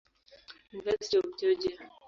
University of Georgia.